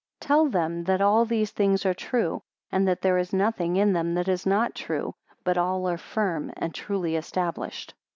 50 Tell them that all these things are true, and that there is nothing in them that is not true but all are firm and truly established.